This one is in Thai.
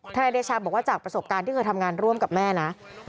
นายเดชาบอกว่าจากประสบการณ์ที่เคยทำงานร่วมกับแม่นะ